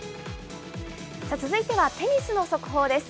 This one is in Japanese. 続いてはテニスの速報です。